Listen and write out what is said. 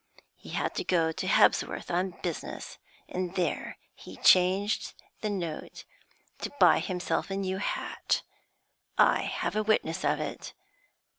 He had to go to Hebsworth on business, and there he changed the note to buy himself a new hat; I have a witness of it.